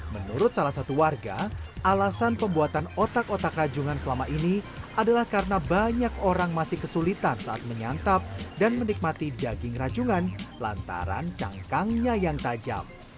menurut salah satu warga alasan pembuatan otak otak rajungan selama ini adalah karena banyak orang masih kesulitan saat menyantap dan menikmati daging rajungan lantaran cangkangnya yang tajam